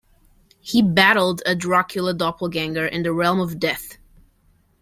He battled a Dracula doppelganger in the realm of Death.